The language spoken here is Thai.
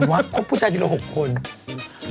ใครวะคบผู้ชายทีเดียวละ๖คน